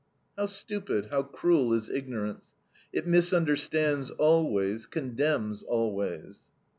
How stupid, how cruel is ignorance! It misunderstands always, condemns always.